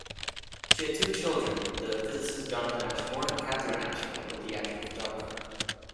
She had two children, the physicist Jonathan Ashmore and Catherine Ashmore, the theatrical photographer.